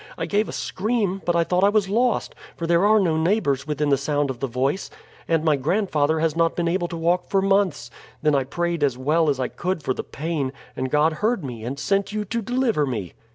I gave a scream; but I thought I was lost, for there are no neighbors within sound of the voice, and my grandfather has not been able to walk for months. Then I prayed as well as I could for the pain, and God heard me and sent you to deliver me."